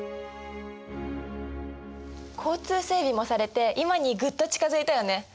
交通整備もされて今にぐっと近づいたよね。